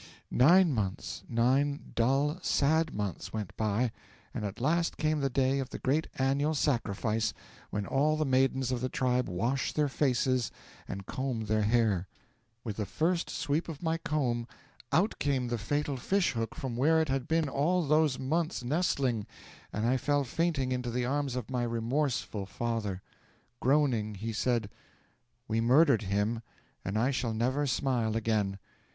'Nine months nine dull, sad months went by, and at last came the day of the Great Annual Sacrifice, when all the maidens of the tribe wash their faces and comb their hair. With the first sweep of my comb out came the fatal fish hook from where it had been all those months nestling, and I fell fainting into the arms of my remorseful father! Groaning, he said, "We murdered him, and I shall never smile again!"